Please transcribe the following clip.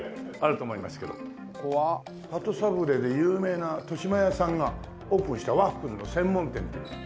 ここは鳩サブレーで有名な豊島屋さんがオープンしたワッフルの専門店という。